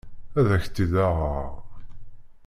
Ad ak-t-id-aɣeɣ.